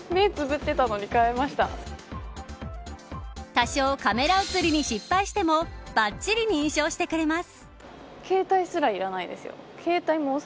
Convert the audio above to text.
多少、カメラ映りに失敗してもばっちり認証してくれます。